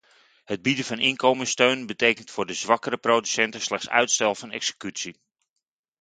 Het bieden van inkomenssteun betekent voor de zwakkere producenten slechts uitstel van executie.